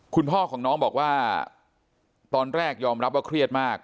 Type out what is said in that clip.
คุณพ่อของน้องบอกว่าตอนแรกยอมรับว่าเครียดมาก